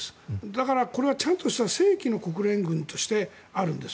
だからこれはちゃんとした正規の国連軍としてあるんです。